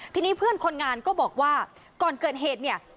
ทีนี้เพื่อนคนงานก็บอกว่าก่อนเกิดเหตุเนี่ย